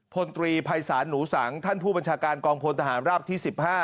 พลตรีภัยศาลหนูสังท่านผู้บัญชาการกองพลทหารราบที่๑๕